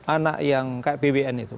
anak yang kayak bbn itu